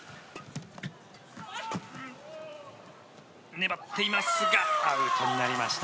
粘っていますがアウトになりました。